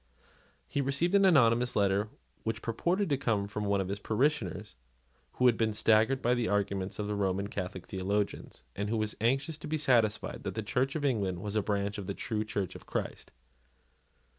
He received an anonymous letter which purported to come from one of his parishioners who had been staggered by the arguments of Roman Catholic theologians, and who was anxious to be satisfied that the Church of England was a branch of the true Church of Christ.